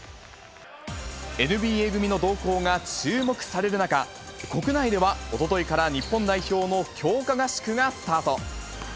ＮＢＡ組の動向が注目される中、国内ではおとといから日本代表の強化合宿がスタート。